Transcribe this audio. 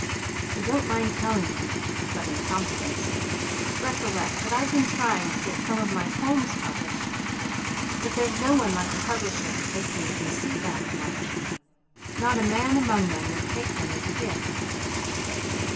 I don't mind telling you but in confidence, recollect that I've been trying to get some of my poems published; but there's no one like a publisher for taking the conceit out of one. Not a man among them would have them as a gift."